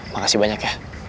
makasih banyak ya